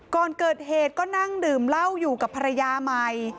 ก่อนเกิดเหตุก็นั่งดื่มเหล้าอยู่กับภรรยาใหม่